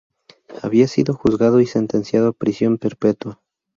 Había sido juzgado y sentenciado a prisión perpetua.